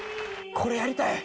これやりたい！